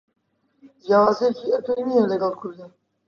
جیاوازیەکی ئەتۆی نییە لەگەل کودەتا.